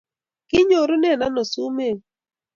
Kinyoruren ano sumeguuk?